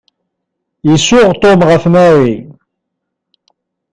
Isuɣ Tom ɣef Mary.